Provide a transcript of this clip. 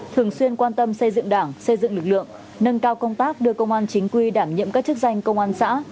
thường xuyên quan tâm xây dựng đảng xây dựng lực lượng nâng cao công tác đưa công an chính quy đảm nhiệm các chức danh công an xã